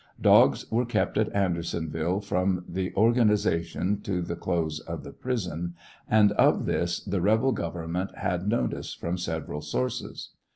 Dogs were kept at Andersonville from the organization to the close of the prison, and of this the rebel government had notice from several sources.